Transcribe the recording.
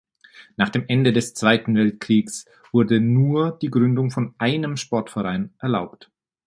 Nach dem Ende des Zweiten Weltkriegs wurde nur die Gründung von einem Sportverein erlaubt.